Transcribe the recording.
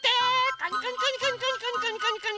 カニカニカニカニカニカニ。